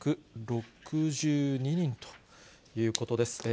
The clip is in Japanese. ９６２人ということです。